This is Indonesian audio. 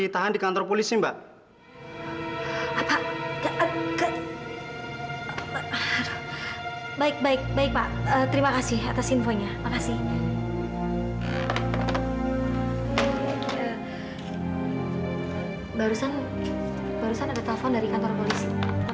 bapak kamu masukkan ke kursi